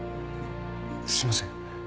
すいません。